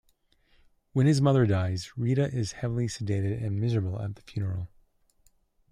When her mother dies, Rita is heavily sedated and miserable at the funeral.